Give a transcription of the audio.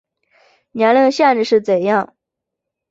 年龄限制是怎样